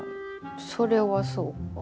それはそうか。